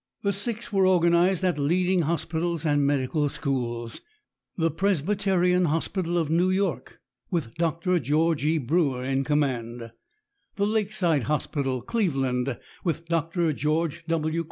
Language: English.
The six were organized at leading hospitals and medical schools: the Presbyterian Hospital of New York, with Doctor George E. Brewer in command; the Lakeside Hospital, Cleveland, with Doctor George W.